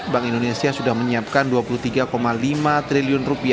bank indonesia sudah menyiapkan rp dua puluh tiga lima triliun